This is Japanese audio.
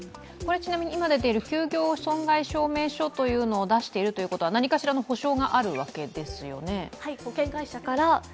今、出ている休業損害証明書というのを出しているということは何かしらの補償があるわけですよね。